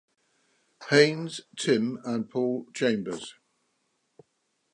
Haines, Tim, and Paul Chambers.